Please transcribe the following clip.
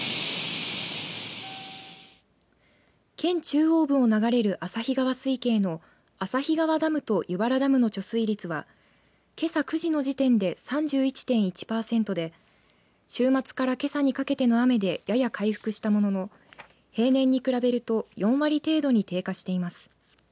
県中央部を流れる旭川水系の旭川ダムと湯原ダムの貯水率はけさ９時の時点で３１．１パーセントで週末から、けさにかけての雨でやや回復したものの平年に比べると４割程度に低下しています。